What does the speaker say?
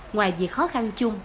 ngoài việc khó khăn chung